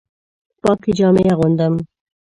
پاکې جامې اغوندم